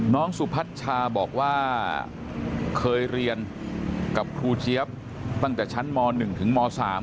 สุพัชชาบอกว่าเคยเรียนกับครูเจี๊ยบตั้งแต่ชั้นม๑ถึงม๓